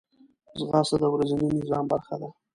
ځغاسته د ورځني نظام برخه ده